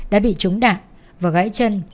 đã bị trúng đạn và gãy chân